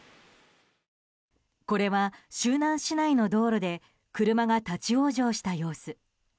これは周南市内の道路で車が立ち往生した様子。